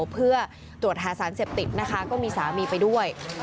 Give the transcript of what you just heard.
เพื่อตรวจหาสารเสพติดนะคะก็มีสามีไปด้วย